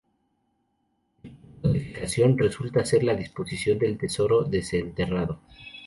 El punto de fijación resulta ser la disposición del tesoro desenterrado.